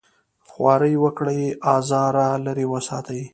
خواري وکړي ازاره لرې وساتي.